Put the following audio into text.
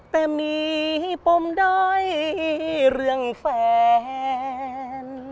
แต่มีผมด้อยเรื่องแฟน